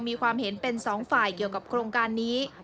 มีความเห็นเป็นสองฝ่ายเกี่ยวกับโครงการนี้